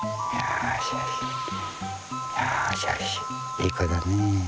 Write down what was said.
いい子だね。